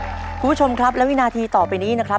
คุณผู้ชมครับและวินาทีต่อไปนี้นะครับ